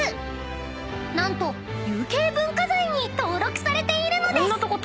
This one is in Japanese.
［何と有形文化財に登録されているのです］